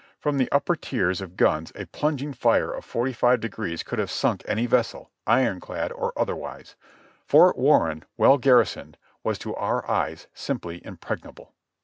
From the upper tiers of gims a plunging fire of forty five degrees could have sunk any vessel, iron clad or otherwise. Fort Warren, well garrisoned, was to our eyes simply impregnable.